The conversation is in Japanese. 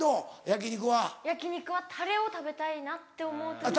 焼き肉はタレを食べたいなって思う時に。